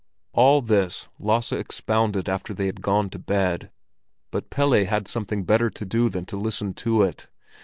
All this Lasse expounded after they had gone to bed, but Pelle had something better to do than to listen to it.